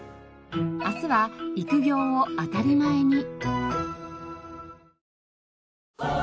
明日は育業を当たり前に。